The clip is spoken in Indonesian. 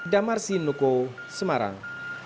damarsin nuko semarang